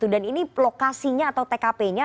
dan ini lokasinya atau tgp nya